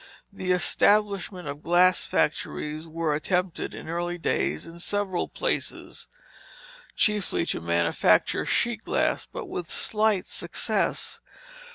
The establishment of glass factories was attempted in early days in several places, chiefly to manufacture sheet glass, but with slight success.